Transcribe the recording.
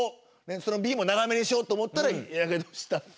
そのＢも長めにしようと思ったらやけどしたって。